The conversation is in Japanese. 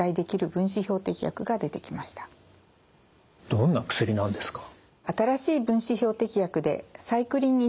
どんな薬なんですか？